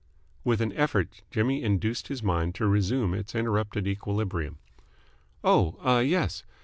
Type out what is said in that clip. With an effort Jimmy induced his mind to resume its interrupted equilibrium. "Oh, ah, yes.